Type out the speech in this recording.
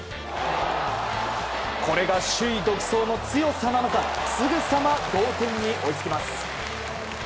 これが首位独走の強さなのかすぐさま同点に追いつきます。